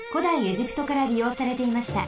エジプトからりようされていました。